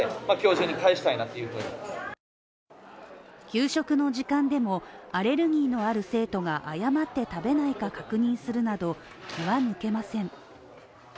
給食の時間でも、アレルギーのある生徒が誤って食べないか確認するなど気は抜けません。